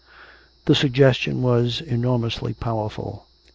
The suggestion was enormously powerful.